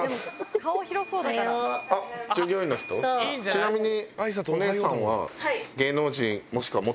ちなみに。